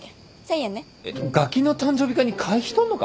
えっガキの誕生日会に会費取んのか！？